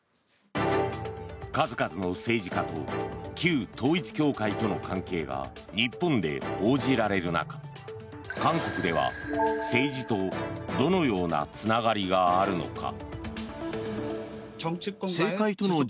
数々の政治家と旧統一教会との関係が日本で報じられる中韓国では政治とどのようなつながりがあるのか。